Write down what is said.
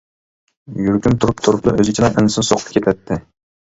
يۈرىكىم تۇرۇپ-تۇرۇپلا ئۆزىچىلا ئەنسىز سوقۇپ كېتەتتى.